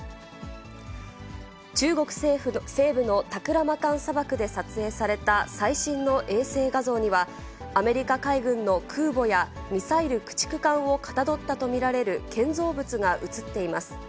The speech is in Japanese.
中国西部のタクラマカン砂漠で撮影された最新の衛星画像には、アメリカ海軍の空母や、ミサイル駆逐艦をかたどったと見られる建造物が写っています。